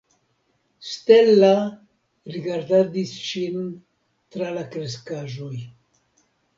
Stella rigardadis ŝin tra la kreskaĵoj.